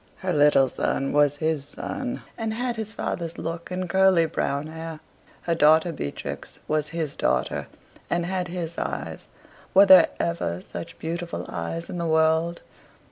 Her little son was his son, and had his father's look and curly brown hair. Her daughter Beatrix was his daughter, and had his eyes were there ever such beautiful eyes in the world?